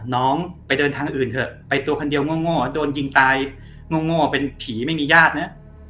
น้องไปเดินทางอื่นเถอะไปตัวคนเดียวง่อโดนยิงตายง่อเป็นผีไม่มีญาตินะ